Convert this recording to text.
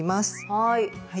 はい。